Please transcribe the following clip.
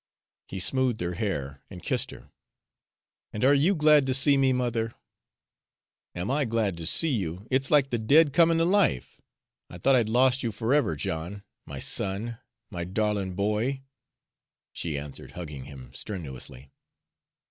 He smoothed her hair and kissed her. "And are you glad to see me, mother?" "Am I glad to see you? It's like the dead comin' to life. I thought I'd lost you forever, John, my son, my darlin' boy!" she answered, hugging him strenuously.